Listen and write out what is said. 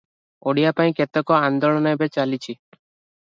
ଓଡ଼ିଆ ପାଇଁ କେତେକ ଆନ୍ଦୋଳନ ଏବେ ଚାଲିଛି ।